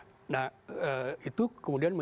biasanya men mainstream atau cara ke